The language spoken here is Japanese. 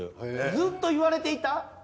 ずっと言われていた？